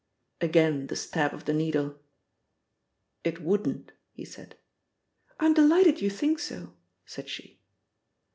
Again the stab of the needle! "It wouldn't," he said. "I'm delighted you think so," said she.